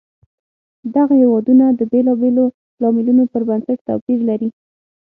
دغه هېوادونه د بېلابېلو لاملونو پر بنسټ توپیر لري.